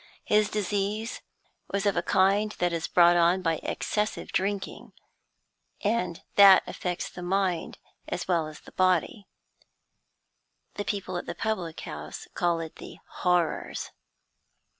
His disease was of a kind that is brought on by excessive drinking, and that affects the mind as well as the body. The people at the public house call it the Horrors.